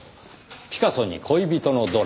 ピカソに恋人のドラ。